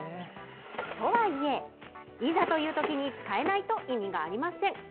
とはいえ、いざというときに使えないと意味がありません。